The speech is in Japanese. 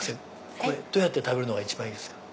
これどうやって食べるのが一番いいですか？